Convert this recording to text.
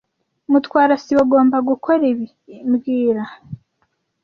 Mutwara sibo agomba gukora ibi mbwira